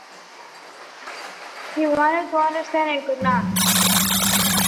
He wanted to understand and could not.